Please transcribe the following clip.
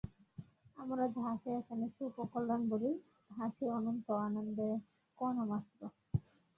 আমরা যাহাকে এখানে সুখ ও কল্যাণ বলি, তাহা সেই অনন্ত আনন্দের এক কণামাত্র।